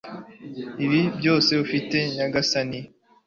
Ibi byose ufite nyagasani